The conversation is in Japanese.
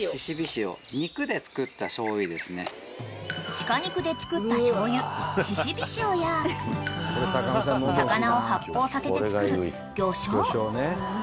［鹿肉で造った醤油肉醤や魚を発酵させて造る魚醤］